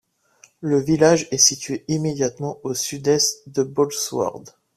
Le village est situé immédiatement au sud-est de Bolsward.